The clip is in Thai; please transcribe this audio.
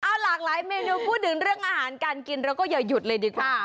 เอาหลากหลายเมนูพูดถึงเรื่องอาหารการกินเราก็อย่าหยุดเลยดีกว่า